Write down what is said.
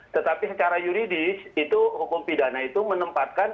tetapi secara yuridis itu hukum pidana itu menempatkan